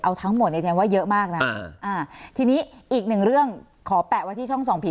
เอาทั้งหมดเนี่ยแสดงว่าเยอะมากนะทีนี้อีกหนึ่งเรื่องขอแปะไว้ที่ช่องส่องผี